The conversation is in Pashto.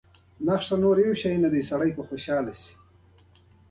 خو د سکاټلنډ په نیولو بریالی نه شو